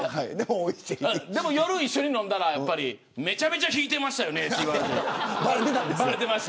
でも夜、一緒に飲んだらめちゃめちゃ引いてましたよねって言われました。